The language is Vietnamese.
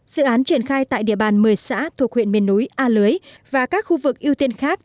dự án triển khai tại địa bàn một mươi xã thuộc huyện miền núi a lưới và các khu vực ưu tiên khác